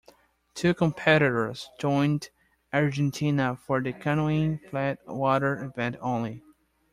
Two competitors joined Argentina for the canoeing flatwater event only.